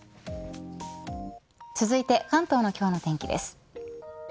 続いて、関東の今日の天気です。